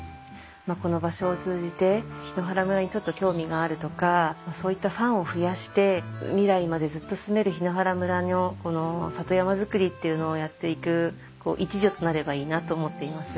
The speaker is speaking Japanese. この場所を通じて檜原村にちょっと興味があるとかそういったファンを増やして未来までずっと住める檜原村のこの里山づくりっていうのをやっていく一助となればいいなと思っています。